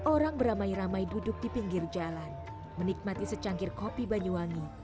orang beramai ramai duduk di pinggir jalan menikmati secangkir kopi banyuwangi